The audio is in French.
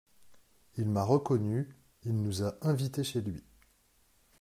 Il m’a reconnu, il nous a invités chez lui.